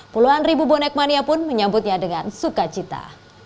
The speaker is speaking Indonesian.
puluhan ribu bonek mania pun menyambutnya dengan suka cita